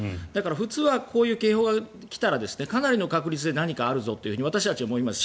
普通はこういう警報が来たらかなりの確率で何かがあるぞと私たちは思います。